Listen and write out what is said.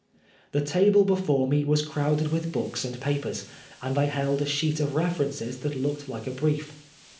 The table before me was crowded with books and papers, and I held a sheet of references that looked like a brief.